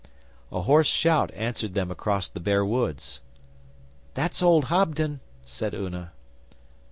A hoarse shout answered them across the bare woods. 'That's old Hobden,' said Una.